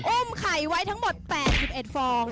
อุ้มไข่ไว้ทั้งหมด๘๑ฟอง